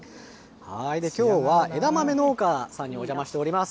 きょうは、枝豆農家さんにおじゃましております。